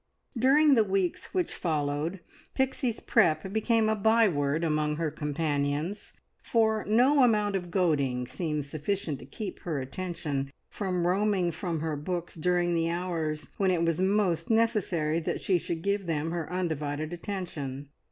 During the weeks which followed, "Pixie's Prep" became a by word among her companions, for no amount of goading seemed sufficient to keep her attention from roaming from her books during the hours when it was most necessary that she should give them her undivided attention.